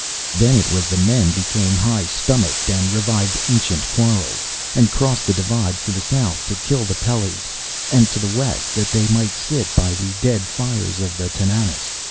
Then it was the men became high stomached, and revived ancient quarrels, and crossed the divides to the south to kill the Pellys, and to the west that they might sit by the dead fires of the Tananas.